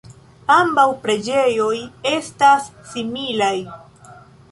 Ambaŭ preĝejoj estas similaj.